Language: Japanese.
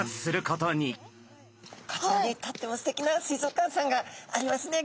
こちらにとってもすてきな水族館さんがありますね。